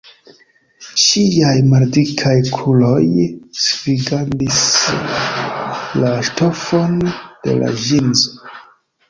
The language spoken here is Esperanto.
Ŝiaj maldikaj kruroj svingadis la ŝtofon de la ĵinzo.